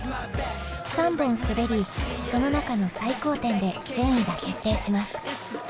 ３本滑りその中の最高点で順位が決定します。